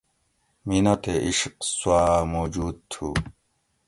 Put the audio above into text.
مینہ تے عشق سواۤ موجود تھو